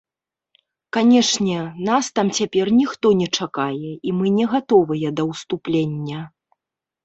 Канечне, нас там цяпер ніхто не чакае, і мы не гатовыя да ўступлення.